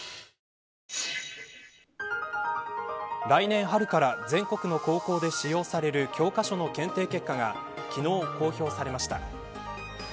来年春から全国の高校で使用される教科書の検定結果が昨日、公表されました。